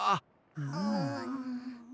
うん。